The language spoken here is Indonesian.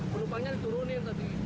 pelupangnya diturunin tadi